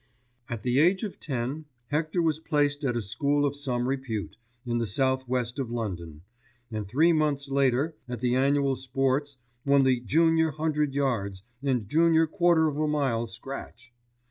At the age of ten Hector was placed at a school of some repute in the South West of London, and three months later at the Annual Sports won the Junior Hundred Yards and Junior Quarter of a Mile scratch.